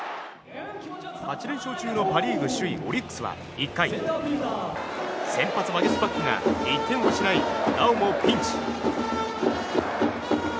８連勝中のパ・リーグ首位オリックスは１回、先発ワゲスパックが１点を失い、なおもピンチ。